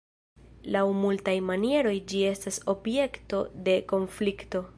Laŭ multaj manieroj ĝi estas objekto de konflikto.